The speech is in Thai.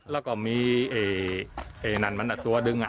แล้วก็มีนั่นมันอ่ะตัวดึงอ่ะ